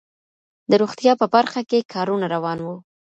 د روغتيا په برخه کي کارونه روان وو.